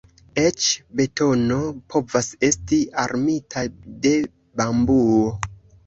Eĉ betono povas esti armita de bambuo.